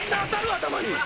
頭に。